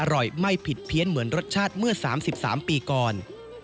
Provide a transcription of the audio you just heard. อร่อยไม่ผิดเพี้ยนเหมือนรสชาติเมื่อ๓๓ปีก่อน